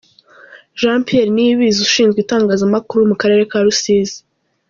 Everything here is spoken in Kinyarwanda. Jean Pierre Niyibizi Ushinzwe Itangazamakuru mu Karere ka Rusizi.